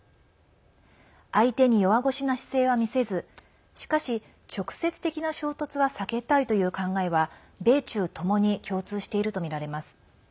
相手に弱腰な姿勢は見せずしかし、直接的な衝突は避けたいという考えは米中ともに共通しているとみられます。